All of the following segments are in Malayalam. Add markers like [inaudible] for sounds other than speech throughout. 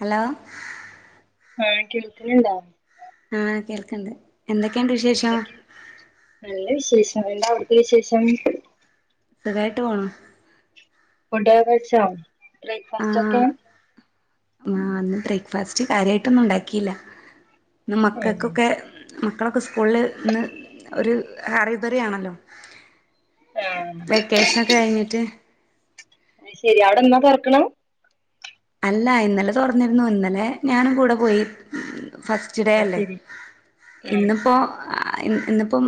ഹലോ ആ കേൾക്കുന്നുണ്ടോ ആഹ് കേൾക്കണ്ട് എന്തൊക്കെ ഉണ്ട് വിശേ എന്തൊക്കെ നല്ല വിശേഷം എന്താ അവിടുത്തെ വിശേഷം സുഖായിട്ട് പോണ് ഫുഡ്‌ ഒക്കെ കഴിച്ചോ ബ്രേക്ക്ഫാസ്റ്റ് ഒക്കെ ആഹ് ആ ഉം ഇന്ന് ബ്രേക്ക്ഫാസ്റ്റ് കാര്യമായിട്ടൊന്നും ഉണ്ടാക്കിയില്ല ഇന്ന് മക്കൾക്കൊക്കെ മക്കളൊക്കെ സ്കൂളില് ഇന്ന് ഒരു ഹറിബറി ആണല്ലോ ആഹ് വെക്കേഷനൊക്കെ കഴിഞ്ഞിട്ട് അത് ശരി അവിടെ എന്നാ തൊർക്കണം? അല്ല ഇന്നലെ തുറന്നിരുന്നു ഇന്നലെ ഞാനും കൂടെ പോയി ഫസ്റ്റ് ഫസ്റ്റ് ഡെ അത് അല്ലേ ശരി ആഹ് ഇന്നിപ്പോൾ ഇന്നിപ്പോം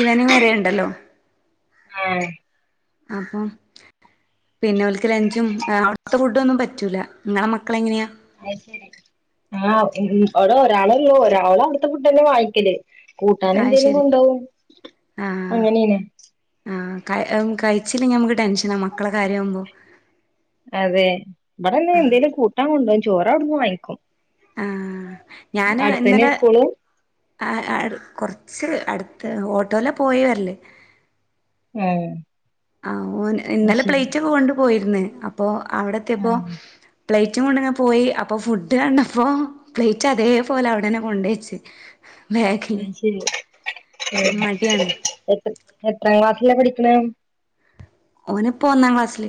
ഈവനിങ് വരെ ഉണ്ടല്ലോ ഏഹ് അപ്പം പിന്നെ ഓൽക്ക് ലഞ്ചും അവിടുത്തെ ഫുഡ് ഒന്നും പറ്റൂല നിങ്ങളെ മക്കള് എങ്ങനെയാ അത് ശരി ആഹ് ഉം അവിടെ ഒരാളെ ഉള്ളൂ ഒരാള് അവിടുത്തെ ഫുഡ് തന്നെ വാങ്ങിക്കല് കൂട്ടാര് അയ് എന്തേലും ശരി കൊണ്ടോവും ആഹ് അങ്ങനെനെ ആഹ് കഴ് കഴിച്ചില്ലെങ്കിൽ നമുക്ക് ടെൻഷനാ മക്കളെ കാര്യമാവുമ്പോ അതെ ഇവിടെന്ന് എന്തേലും കൂട്ടാ കൊണ്ടോ ചോറ് അവിടുന്ന് വാങ്ങിക്കും ആഹ് ഞാന് അടുത്തന്നെയാ ഇന്നലെ സ്കൂള് ആ കുറച്ച് അടുത്ത് ഓട്ടോല പോയി വരല് ഉം ആഹ് ഓന് ഇന്നലെ പ്ലേറ്റ് ഒക്കെ കൊണ്ട് പോയിരന്ന് അപ്പോ അവിടെത്തിപ്പോ ആഹ് പ്ലേറ്റും കൊണ്ടങ്ങനെ പോയി അപ്പോ ഫുഡ് കണ്ടപ്പോ. പ്ലേറ്റ് അതേപോലെ അവിടനെ കൊണ്ടേയെച്ച് ബാഗില്. അത് മടിയാണ് എത്ര എത്രാം ക്ലാസ്സില പഠിക്കണെ? ഓനി ഇപ്പോൾ ഒന്നാം ക്ലാസ്സിൽ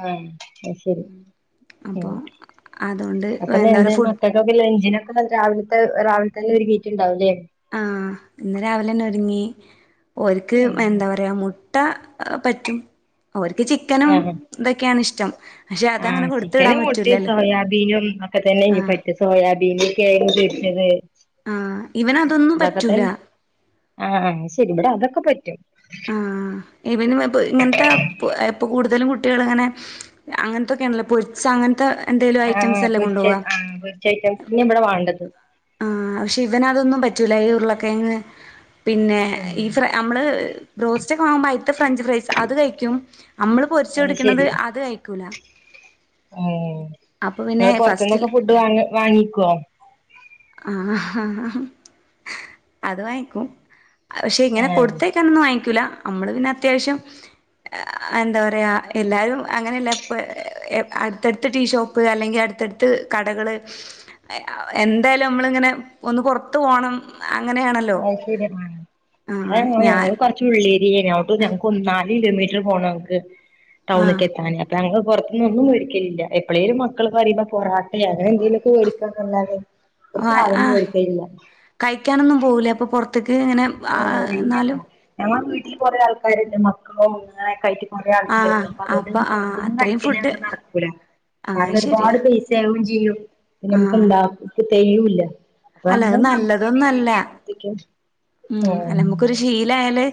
ആഹ അയ്ശരി അപ്പൊ ഉം അതോണ്ട് അപ്പൊ എന്താ പറയാ ഫുഡ് [unintelligible] ലഞ്ചിനൊക്കെ രാവിലത്തെ രാവില തന്നെ ഒരുങ്ങിട്ട് ഉണ്ടാവുംല്ലേ? ആഹ ഇന്ന് രാവിലെന്നെ ഒരുങ്ങി ഒർക്ക് ഉം എന്താ പറയാ മുട്ട പറ്റും ഓർക്ക് ചിക്കനും ആഹ് തൊക്കെണ് ഇഷ്ടം. പക്ഷെ അതങ്ങനെ ആഹ് കൊടുത്ത് വിടാൻ ചിക്കനും മുട്ടി പറ്റൂലല്ലോ സോയാബീനും ഒക്കെ തന്നെ ആഹ് ഞ്ഞിപ്പയ്റ്റ സോയാബീൻ, കേങ് പോര്ച്ചത് ആഹ് ഇവനതൊന്നും പറ്റൂല ത്തൊക്കെതന്നെ ആഹ് അയ്ശരി ഇവടെ അതൊക്കെ പറ്റും. ആ ഇ പിന്ന ഇ ഇങ്ങനത്തെ ഇപ്പോൾ കൂടുതലും കുട്ടികളിങ്ങനെ അങ്ങനത്തെ ക്കെണല്ലോ പൊരിച്ച അങ്ങനത്തെ എന്തേലും ആഹ് ഐറ്റംസ് ആഹ് അല്ലേ പൊരിച്ച കൊണ്ടോവാ ഐറ്റംസ് തന്നെ ഇബടെ വാണ്ടതും. ആഹ് പക്ഷെ ഇവനതൊന്നും പറ്റൂല ഈ ഉരുളൊക്കെഴങ്ങ് പിന്നെ ഉം ഈ ഫ്ര നമ്മള് ബ്രോസ്റ്റ് ഒക്കെ വാങ്ങുമ്പോൾ അയ്ത്ത ഫ്രഞ്ച് ഫ്രൈസ് അത് കഴിക്കും. നമ്മള് പൊരിച്ച് അത് കൊടുക്കണത് ശരി അത് കഴിക്കൂല. അപ്പോ പിന്നെ ഫസ്റ്റിൽ വാ വാങ്ങിക്കോ? ആഹ് അത് വാങ്ങിക്കും. പക്ഷെ ഇങ്ങനെ ആഹ് കൊടുത്തേക്കനൊന്നും വാങ്ങിക്കൂല നമ്മള് പിന്നെ അത്യാവശ്യം എന്താ പറയാ എല്ലാരും അങ്ങനെയല്ലപ്പ അടുത്തടുത്ത് ടീഷോപ്പ് അല്ലെങ്കിൽ അടുത്തടുത്ത് കടകള് എന്തായാലും നമ്മള ങ്ങനെ ഒന്ന് പൊറത്ത് പോണം അങ്ങനെയാണല്ലോ? അയ് ശരിയാ ആഹ് ഞാൻ ഞങ്ങളു [unintelligible] ഉള്ളേരിയെണ് ഞക്ക് ഒ നാല് കിലോമീറ്റർ പോണം ക്ക് ആഹ് ടൗണക്ക് എത്താന്. ഞങ്ങൾ പുറത്തുന്നോന്നും മേടിക്കില്ല എപ്പഴേലും മക്കള് പറയ്മ്പോ പൊറട്ട അങ്ങനെന്തേലൊക്കെ മേടിക്കാന്നല്ലാതെ ഒരു സാധനം ആഹ് മേടിക്കലില്ല കഴിക്കാനൊന്നും പോവൂലേ അപ്പൊ പൊറത്ത്ക്ക് ഇങ്ങനെ എന്നാലും ഞങ്ങൾ വീട്ടിൽ കുറെ ആൾക്കാരുണ്ട് മക്കളും അങ്ങനെക്കെ ആയിട്ട്. കുറെ ആഹ് ആൾക്കാര്ണ്ട് അപ്പൊ അതൊണ്ട് ഇങ്ങന ആഹ് പുറത്തൊന്നും അത്രയും കഴിക്കല ഫുഡ് ങ്ങക്ക് നടക്കൂല. ആഹ് കാരണം ഒരുപാട് ശരിയാ പൈസയാവും ചെയ്യും പിന്നെ നമക്ക് ആഹ് എല്ലാർക്കും തേയ്യുല്ല. അപ്പൊ അല്ല അങ്ങള് അത് മന്തി ബിരിയാണി നല്ലതൊന്നല്ല അങ്ങനത്തക്കെ ഉം അല്ല നമുക്കൊരു ശീലായല്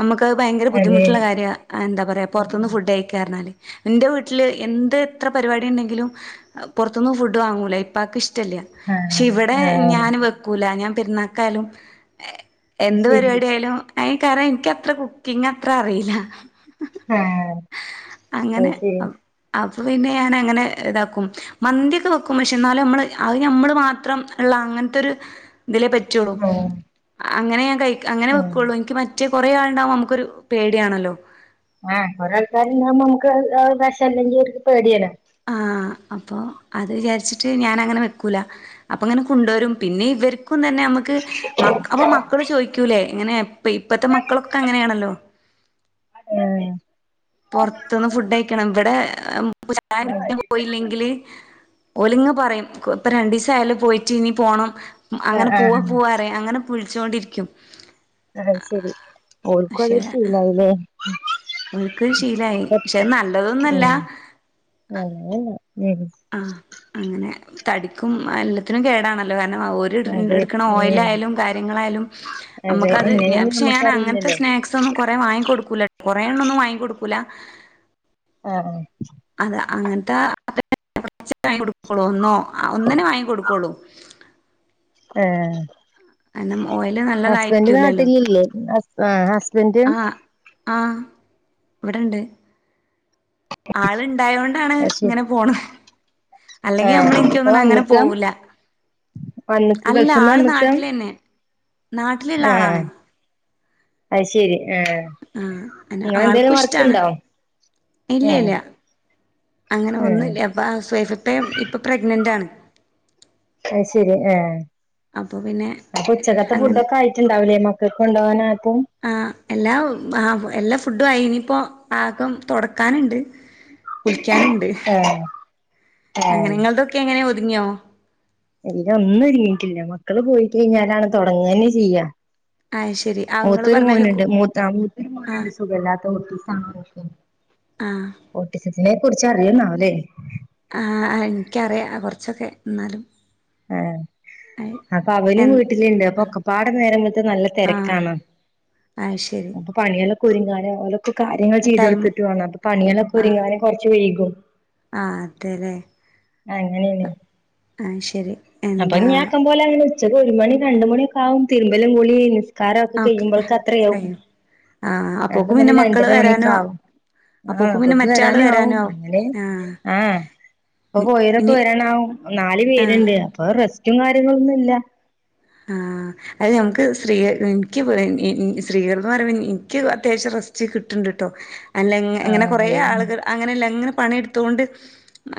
നമുക്ക്ത് ഭയങ്കര അതെ ബുദ്ധിമുട്ടുള്ള കാര്യമാ എന്താ പറയ ഉം ഉം പുറത്തുന്ന്ഫുഡ് കയിക്കാറഞ്ഞാൽ. ന്റെ വീട്ടില് എന്ത് എത്ര പരിപാടി ണ്ടെങ്കിലും പൊറത്തൊന്നും ഫുഡ് വാങ്ങൂല ഇപ്പക്ക് ഇഷ്ടല്ല ആഹ് ക്ഷെ ഇവടെ ആഹ് ഞൻ വെക്കൂല ഞാൻ പെരുന്നാക്കാലും അത് എന്ത് ശരി പരിപാടി ആയാലും അയ്ക്കാരം എനിക്കത്ര കുക്കിങ് അത്ര അറില്ല. ആഹ് അങ്ങനെ അത് ശരി അപ്പൊ പിന്നെ ഞാൻ അങ്ങനെ ഇതാക്കും. മന്തിയൊക്കെ വെക്കും പക്ഷേ എന്നാലും നമ്മള് അത് നമ്മള് മാത്രം ഉള്ള അങ്ങനത്തെ ഒരു ഇതിലേ പറ്റുള്ളൂ ആഹ് അങ്ങനെ ഞാൻ കഴി അങ്ങനെ ഞാൻ ഉം വെക്കൊള്ളൂ എനിക്ക് മറ്റ് കുറെേ ആൾണ്ടാവുമ്പോ നമുക്കൊരു പേടിയാണല്ലോ.. ആഹ് ഒറെ ആൾക്കാർണ്ടാവ്മ്പോ നമുക്ക് വശം അല്ലെങ്കിൽ നമുക്ക് പേടിയണ്. ആ അപ്പോൾ അത് വിചാരിച്ചിട്ട് ഞാൻങ്ങനെ വെക്കുല. അപ്പങ്ങനെ കൊണ്ടുവരും പിന്നെ ഇവർ ും തന്നെ നമുക്ക് അപ്പൊ മക്കള് ചോയ്ക്കൂലേ എങ്ങനെ ഇപ്പത്തെ മക്കളൊക്കെ അങ്ങനെയാണല്ലോ ഉം പുറത്തുന്ന് ഫുഡ് അയക്കണം ഇവിടെൻരിക്ക [unintelligible] ആഹ് പോയില്ലെങ്കില് ഓലിങ്ങ പറയും ഇപ്പൊ രണ്ടീസം ആയാലും പോയിട്ട് ഇനി പോണം അങ്ങനെ പോവാ ആഹ് പോവാ അങ്ങനെ വിളിച്ചൊണ്ടിരിക്കും ആഹ് ശരി ഓല്ക്കും അതൊരു ശീലായിലേ ഓല്ക്കത് ശീലമായി പക്ഷെ നല്ലതൊന്നല്ല അല്ല [unintelligible] ആഹ് അങ്ങനെ തടിക്കും എല്ലാത്തിനും കേടാണല്ലോ കാരണം അതെ എടക്കണ ഉം ഓയിലായാലും കാര്യങ്ങളായാലും അതെ അമ്മക്കത് ഞൻ എങ്ങനെയൊന്നും പക്ഷെ അങ്ങനെത്തെ നമുക്കറിയില്ലല്ലോ സ്നാക്ക്സ് ഒന്നും ന്നും കുറ വാങ്ങികൊടുക്കൂല കുറെേ എണ്ണം ഒന്നും വാങ്ങി കൊടുക്കൂല ആഹ് ആഹ് അതെ അങ്ങനത്തെ വാങ്ങ കൊടുക്കോളൂ ഒന്നോ ഒന്നനെ വാങ്ങി കൊടുക്കോളൂ ഏഹ് കണം ഓയില് നല്ലതായിരിക്കൂല്ലല്ലോ നാട്ടിലില്ലേ ഹസ് ആഹ് ഹസ്ബൻഡ് ആഹ് ആഹ് ഇവിടെണ്ട് ആൾ ഇണ്ടായത് കൊണ്ടാണ് അത് ശരി ഇങ്ങനെ പോണ അല്ലെങ്കി ആഹ് ഇപ്പൊ നമ്മളെനിക്കൊന്നും അങ്ങനെ വന്ന്ക്കാ പോവൂല്ല വന്ന്ക്ക് അല്ല ഗൾഫ്ന്ന് ആള് വന്ന്ക്കാ നാട്ടിലന്നെ നാട്ടിലുള്ള ആളാണ് അയ്ശെരി ആഹ് ആഹ് അല്ല നിങ്ങളെന്തേലും ആൾക്കും ഇഷ്ടാണ് വർക്ക്ണ്ടോ ഇല്ല ഏഹ് ഇല്ല അങ്ങനെ ഏഹ് ഒന്നുംല്ല അപ്പ സ്വൈഫ ഇപ്പ ഇപ്പൊ പ്രഗ്നന്റ് ആണ് അയ്ശരി ഏഹ് അപ്പൊ പിന്നെ അപ്പൊ ഉച്ചക്കത്തെ അങ്ങനെ ഫുഡൊക്കെ ആയിട്ടുണ്ടാവലേ് മ ഒല്ക്കെ കൊണ്ടോകാനാത്തും ആഹ് എല്ലാ ആ എല്ലാ ഫുഡും അയിനിപ്പോ ആകം തുടക്കാനുണ്ട് കുളിക്കാനുംണ്ട് ഏഹ് അങ്ങനെ ഏഹ് നിങ്ങളതൊക്കെ എങ്ങനെയ ഒതുങ്ങിയോ അലൊന്നും ഇരിങ്ങീട്ടില്ല മക്കള് പോയി കഴിഞ്ഞാലാണ് തുടങ്ങനെ ചെയ്യ അയ് ശരി അങ്ങള് മൂത്തൂരു പറഞ്ഞതില് കു മോനുണ്ട് മൂത്ത മൂത്തരു ആഹ് മോനുണ്ട് സുഖല്ലാത്ത ഓട്ടീസക്ക ആഹ് ഓട്ടീസത്തിനെ കുറിച്ച് അറിയുന്നാവെ ആഹ് എനിക്കറിയാം കുറച്ചൊക്കെ എന്നാലും ഏഹ് അയ് അപ്പൊ എ അവനും വീട്ടിലുണ്ട് അപ്പൊ ഒക്കപ്പാട നേരമ്പഴത്തെ നല്ല തിരക്കാണ് ആയ്ശരി പണികളക്കെ ഒരുങ്ങാനെ ഓലൊക്കെ കാര്യങ്ങൾ ടൈം ചെയ്തെടുത്തിട്ടുാണ് അപ്പൊ പണികളക്കെ ആഹ് ഒരുങ്ങാനെ കുറച്ച് വയ്കും ആഹ് അതെല്ലേ അങ്ങനെയാണ് ആയ്ശരി അപ്പൊ ഞ ആക്കം പോലെ അങ്ങനെ ഉച്ചക്ക് ഒരു മണി രണ്ട മണൊക്ക ആകും തിരുമ്പലും ഗുളി കാരൊക്കെ ഓക്കെ കഴിയുമ്പോൾക്ക അത്രയാവും കഴിയും ആഹ് രണ്ട അപ്പോക്കും മണി പിന്നെ മക്കള് രണ്ടര മണിയക്കെ വരാനും ആവും ആഹ് അപ്പോക്കും പിന്നെ അപൊക്ക് മറ്റേ ആള് വരാനും ആവും അങ്ങനെ ആഹ് അപ്പൊ പോയോലൊക്കെ ഇനി വരാനാവും നാല് ആഹ് പേരുണ്ട് അപ്പൊ റെസ്ക്യും കാര്യങ്ങളൊന്നും ഇല്ല ആഹ് അത് നമുക്ക് സ്ത്രീ എനിക്ക് സ്ത്രീകൾന്ന് പറ്പ എനിക്ക് അത്യാവശ്യം റസ്റ്റ് കിട്ടിണ്ട് ട്ടോ അല്ല ഇങ്ങനെ ആഹ് കൊറെേ അതെ ആളുകൾ അങ്ങനെയല്ല അങ്ങനെ പണി എടുത്തൊണ്ട്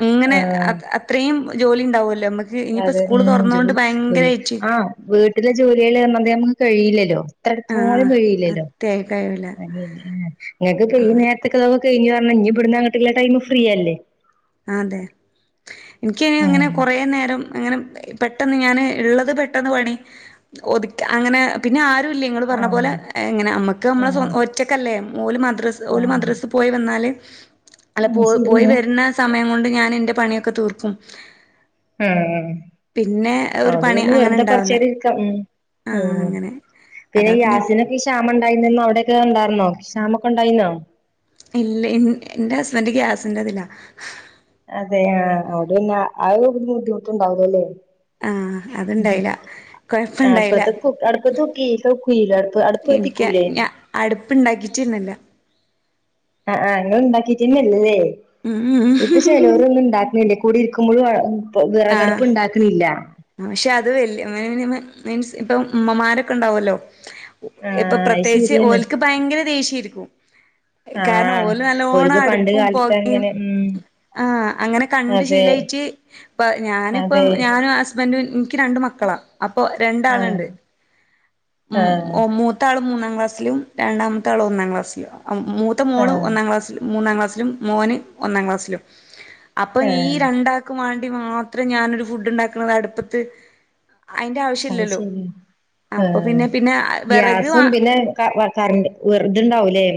അങ്ങനെ ആഹ് അത്രയും ജോലി ഉണ്ടാവുല്ലോ നമുക്ക് ഇനിയിപ്പോൾ അതെ സ്കൂള് ഉം തുറന്നുകൊണ്ട് ജോലി ഭയങ്കരായിട്ട് ആഹ് വീട്ടിലെ ജോലികള് വന്ന നമുക്ക് കഴിയില്ലല്ലോ ത്രെട്ത്ത് പോലും ആഹ് കഴിയില്ലല്ലോ അത്യായി കഴിയൂല അനിയെന് ആഹ് ഇങ്ങക്കൊക്കെ ഈ നേര്ത്ത്ള്ളതൊക്കെ കെയ്ഞ്ഞൂ അർഞ്ഞാ ഇഞ്ഞ് ബ്ട്ന്ന അങ്ങട്ട്ല്ല ടൈമ് ഫ്രീയല്ലേ ആഹ് തെ എൻക്കയ്ന് അങ്ങെനെ ആഹ് കൊറേ നേരം അങ്ങെനെ പെ ട്ടെന്ന് ഞാന് ഇള്ളെത് പെട്ടെന്ന് പണി ഒത്ക്ക അങ്ങെനെ പിന്നെ ആ രുല്ല്യേ ഇങ്ങെള് പർഞ്ഞ പോലെ ആഹ് ഇങ്ങെനെ അമ്മക്ക് അമ്മള് സ്വ ആഹ് ഒറ്റക്കല്ലേ ഓല് മദ്രസ് ഓല് ആഹ് മദ്രസ് പോയ് വെന്നാല് അല്ല ഉം പോ പോയ് ശരിയാണ് വെര്ണെ സമയം കൊണ്ട് ഞാന് ഇന്റെ പണ്യൊക്കെ തീർക്കും ഉം പിന്നേ ഒരു അതോണ്ട് പണി പിന്നെ വെറുതെ അങ്ങെനെണ്ടാവുല്ല കൊറച്ചേരം ഇരിക്കാം ഉം ആഹ് ഉം അങ്ങെനെ പിന്നെ ഗ്യാസിനൊക്കെ ക്ഷാമണ്ടായ്നന്ന് അവിടെയെക്കെ ണ്ടാറ്ന്നോ ക്ഷാമാെക്കെണ്ടായ്ന്നോ ഇല്ല ൻ ന്റെ ഹസ്ബെന്റ് ഗ്യാസ്ന്റെതിലാ അതേ ആഹ് അവ്ടെന്നാ ആ ഒര് ബുദ്ധിമുട്ട് ബുദ്ധിമുട്ടുംണ്ടാവുലല്ലേ ആഹ് അത്ണ്ടായ്ലാ ആഹ് അട്പ്പത്ത് കു അട്പ്പത്ത് കുക്കെയ്യ് കുക്കുയ്യൂലെ അട്പ്പ് അട്പ്പ് എനിക്ക് കത്തിക്കൂലേ ഞ അട്പ്പ് ണ്ടാക്കീറ്റെന്നെല്ല ആഹ് ആഹ് ഇങ്ങെള് ഇണ്ടാക്കീറ്റെന്നെല്ലലേ ഉം ഇപ്പ ചേലൊരാെന്നും ഇണ്ടാക്ക്ണില്ല കുടിരിക്കുമ്പഴും വ് വ്റകട്പ്പ് ഇണ്ടാക്ക്ണില്ലാ ആഹ് പക്ഷെ അത് വെല്യ [unintelligible] മീൻസ് ഇപ്പം ഉമ്മമാരൊക്കെണ്ടാവാെല്ലോ ഇപ്പ ആഹ് അത് പ്രത്യേക്ച്ച് ശരിയാണ് ഓല്ക്ക് ഭയങ്കെരെ ദേഷ്യേര്ക്കും കാര്ണം ആഹ് ഓല് നല്ലോണം ഓര്ക്ക് പണ്ട് അട്പ്പും കാലത്ത് പൊകിം അങ്ങനെ ഉം ആഹ് അങ്ങെനെ കണ്ട് അതെ ശീലായ്റ്റ് പ്പ ഞാനിപ്പം അതെ ഞാനും ഹസ്ബന്റും ഇൻയ്ക്ക് രണ്ട് മക്കളാ അപ്പൊ ആഹ് രണ്ടാള്ണ്ട് ഉം ആഹ് ഒ മൂത്താള് മൂന്നാം ക്ലാസ്സ്ലും രണ്ടാമത്താള് ഒന്നാം ക്ലാസ്സ്ല്വാ മൂ ത്ത മോള് ആഹ് ഒന്നാം ക്ലാസ്സ്ല് മൂന്നാം ക്ലാസ്സ്ലും മോന് ഒന്നാം ക്ലാസ്സ്ലും അപ്പം ഈ ആഹ് രണ്ടാ ക്ക് മാണ്ടി മാത്രം ഞാനൊര് ഫുഡ്ഡ്ണ്ടാക്ക്ണത് അട്പ്പത്ത് അയ്ന്റെ അത് ആവ്ശ്യല്ലല്ലോ ശരിയാ ആഹ് ഗ്യാസും വിറക് പിന്നെ ക കരെന്റ് വെറ്ത്ണ്ടാവുലേ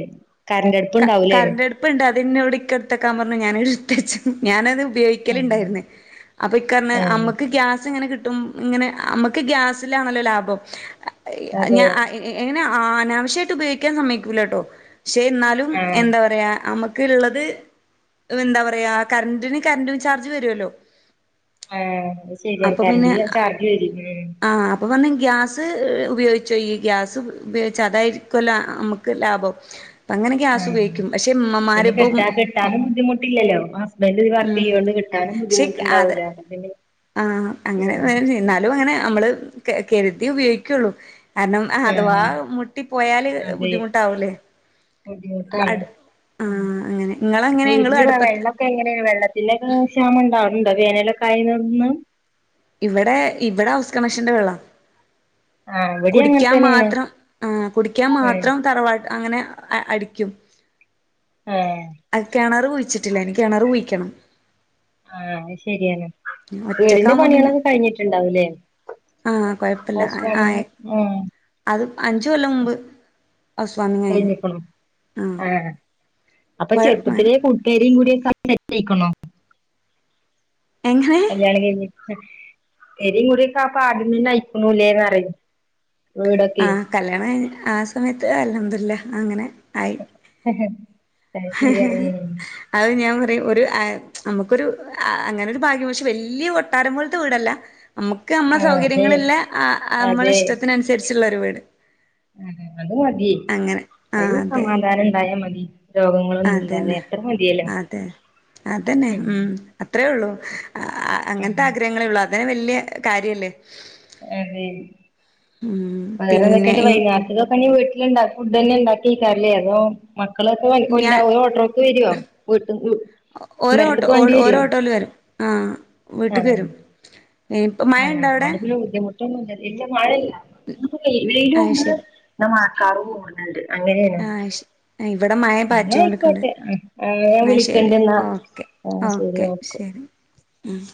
ക കരന്റട്പ്പ്ണ്ട് അതിന്നോടിക്ക ഇട്ത്തെക്കാം പർഞ്ഞു ഞാനത് ഇട്ത്തെച്ചു ഞാനത് ഉപയോയ് ക്കെല്ണ്ടായ്ര്ന്ന് അപ്പം ഇക്കർഞ്ഞ് ആഹ് അമ്മക്ക് ഗ്യാസ്ങ്ങെനെ കിട്ടും ഇങ്ങെനെ അമ്മക്ക് ഗ്യാസിലാണല്ലോ ലാഭം ഞ അതെ അ എ എ എങ്ങെനെ ആ അനാവശ്യായ്ട്ട് ഉപയോഗിക്കാൻ സമ്മയ്ക്കൂലാട്ടോ ഷെ ഇന്നാലും ആഹ് എന്താ പറയാ അമ്മ ക്ക്ള്ളെത് എന്താ പറയാ കറണ്ടിന് കറണ്ട് ചാർജ് വെരുവല്ലോ ആഹ് അത് ശെര്യാ കറണ്ട്ന്ല്ല ചാർജ് വെരേ ഉം ആഹ് അപ്പ പർഞ്ഞ് ഗ്യാസ് ഉപയോഗിച്ചോ ഇയ്യ് ഗ്യാസ് ഉപയോഗ്ച്ച അതായ്രിക്കുല്ലാേ അമ്മക്ക് ലാഭം പ്പങ്ങനെ ആഹ് ഗ്യാസുപയോഗിക്കും പക്ഷെ പിന്നെ ഉമ്മമാരിപ്പം കെട്ടാ കിട്ടാനും ബുദ്ധിമുട്ട് ഇല്ലല്ലോ പ്പ ഹസ്ബന്റ് ഇതി ഉം വർക്കെയ്യോണ്ട് കിട്ടാനും പക്ഷെ അത് ബുദ്ധിമുട്ട്ണ്ടാവൂലാ പിന്നെ ആഹ് അങ്ങനെ ഉം എന്നാലും അങ്ങെനെ അമ്മള് കെ കെര്ത്യേ ഉപയോഗിയ്ക്കാെള്ളൂ കാര്ണം ആഹ് അഥവാ മുട്ടി പോയാല് അതെ ബുദ്ധിമുട്ടാവൂലേ ബുദ്ധിമുട്ടാണ് അട് ആഹ് അങ്ങെനെ ഇങ്ങെളെങ്ങെനെ ഇങ്ങെള് അട്പ്പത്ത് ഇപ്പെങ്ങെനെ വെള്ളെത്തിന്റെയെക്കെ ക്ഷാമണ്ടാവല്ണ്ടോ വേനലാെക്കായേനോന്ന് ഇവടെ ഇവടെ ഹൗസ് കണക്ഷന്റെ വെള്ളാ ആഹ് ഇവിടിം അങ്ങനെ കുടിയ്ക്കാം തന്നെയാണ് മാത്രം ആഹ് കുടിയ്ക്കാം ആഹ് മാത്രം തറവാട് അങ്ങെനെ അ അടിയ്ക്കും ഏഹ് അത് കെണെറ് കുഴിച്ചിട്ടില്ലേനി കെണെറ് കുയിയ്ക്കെണം ആഹ് അത് ശരിയാണ് വീട്ന്റെ ഒറ്റക്കാവുമ്പോ പിന്നെ പണ്യേളൊക്കെ കഴിഞ്ഞിട്ട്ണ്ടാവും ലേ ആഹ് കൊയപ്പല്ല ആഹ് അത് അഞ്ച് കൊല്ലം മുമ്പ് ഹൗസ് വാമിംഗ് കഴിഞ്ഞ് കഴിഞ്ഞിക്ക്ണു. ആഹ് അപ്പ കുഴപ്പമാണ് ചെറുപ്പത്തിലേ കു പെരിം കുടിം ഒക്കായി സെറ്റായ്ക്ക്ണോ? എങ്ങനെ കല്യാണം കഴിഞ്ഞ്ട്ട്. പെരിം കുടിയൊക്കെ അപ്പാദ്യം തന്നെ ആയിക്കുണു ല്ലേ ന്ന് പറ്യേ. ആഹ് കല്യാണം കഴിഞ്ഞ് ആ സമയത്ത് അൽഹംദുലില്ലാ അങ്ങനെ ആയി. കഴിഞ്ഞു അത് ഞാൻ പറയും ഒരു അ അമ്മക്ക്‌ ഒരു അങ്ങനെ ഒരു ഭാഗ്യം പക്ഷെ വെല്യ കൊട്ടാരം പോലത്തെ വീടല്ല അമ്മ ക്ക് അമ്മള ആഹ് അതെ സൗകര്യങ്ങളില്ലെ അ അമ്മള അതെ ഇഷ്ടത്തിന് അനുസരിച്ചുള്ള ഒരു വീട്. ഉം ഉം അത് മതിയേ അങ്ങനെ അയിൽ ആഹ് അതെ സമാധാനണ്ടായാ മതി. രോഗങ്ങള് ഒന്നും ഇല്ലാതെ അതന്നെ എത്ര മതിയല്ലോ അതെ ഉം അത്രേ ഒള്ളൂ ഉം അങ്ങൻത്തെ ആഗ്രഹങ്ങളേ ഒള്ളൂ അതെന്നെ വെല്യ കാര്യല്ലേ. അതെ ഉം വേറെ എന്തൊക്കെ പിന്നെ ഇഞ്ട്ട് വൈന്നേരത്ത്ക്കൊക്കെ ഇഞ്ഞ് വീട്ടിലിണ്ടാക്കും ഫുഡെന്നെ ഇണ്ടാക്കേക്കാരല്ലേ അതോ. മക്കള് ഒക്കെ വൽ കൊണ്ട്രാ ഞാൻ ഓല് ഓട്ടോക്ക് വെരോ വീട്ട് വീ ഓരോ ഓട്ടോ ഓ ഓരോ ഓട്ടോല് വെരും ആഹ് വീട്ട്ക്ക് വെരും ആഹ് അതോണ്ട് പിന്നെ ബുദ്ധിമുട്ടൊന്നുംല്ല, ഇല്ല മഴല്ല ഇന്ന്പ്പോ അത് വെയിലൂണ്ട്. ശരി ഇന്ന മഴക്കാറു മൂടി ഇണ്ട് അങ്ങനേണ് ആ ശരി ഇവിടെ മഴ ഇന്നാ പാറ്റിയോണ്ട്ക്ക്ണ്ട് ആയിക്കോട്ടെ ഉം ആഹ് ഞാൻ എന്നാൽ ശരി വിളിക്കണ്ട് ന്നാ. ആഹ് ശരി ഓക്കെ. ആഹ്